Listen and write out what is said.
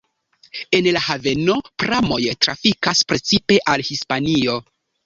En la haveno pramoj trafikas precipe al Hispanio.